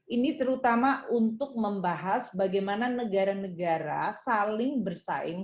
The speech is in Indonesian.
ini terutama untuk membahas bagaimana negara negara saling bersaing